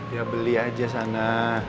ya beli aja sana